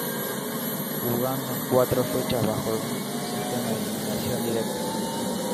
Jugado en cuatro fechas bajo el sistema de eliminación directa.